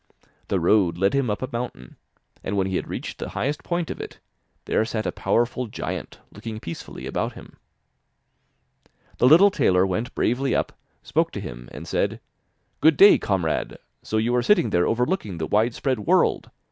The road led him up a mountain, and when he had reached the highest point of it, there sat a powerful giant looking peacefully about him. The little tailor went bravely up, spoke to him, and said: 'Good day, comrade, so you are sitting there overlooking the wide spread world!